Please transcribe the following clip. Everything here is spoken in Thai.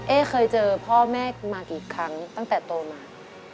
เคยเจอพ่อแม่มากี่ครั้งตั้งแต่โตมา